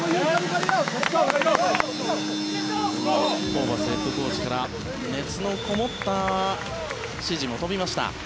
ホーバスヘッドコーチから熱のこもった指示も飛びました。